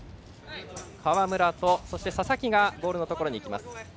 川村と佐々木がボールのところにいきました。